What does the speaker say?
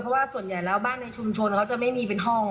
เพราะว่าส่วนใหญ่แล้วบ้านในชุมชนเขาจะไม่มีเป็นห้อง